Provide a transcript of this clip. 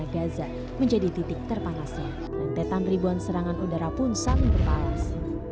dan petang ribuan serangan udara pun saling berbalas